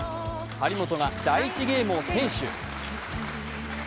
張本が第１ゲームを先取。